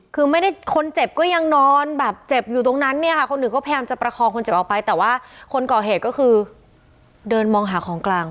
คือไม่ได้คนเจ็บก็ยังนอนแบบเจ็บอยู่ตรงนั้นเนี่ยค่ะคนหนึ่งก็พยายามจะประคองคนเจ็บออกไปแต่ว่าคนก่อเหตุก็คือเดินมองหาของกลาง